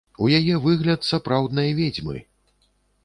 У яе выгляд сапраўднай ведзьмы!